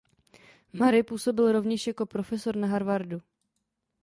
Murray působil rovněž jako profesor na Harvardu.